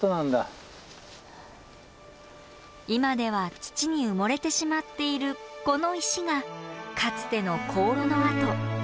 今では土に埋もれてしまっているこの石がかつての香炉の跡。